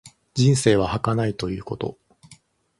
人生は儚いということ。